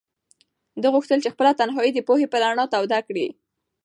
ده غوښتل چې خپله تنهایي د پوهې په رڼا توده کړي.